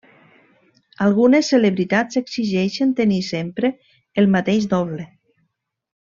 Algunes celebritats exigeixen tenir sempre el mateix doble.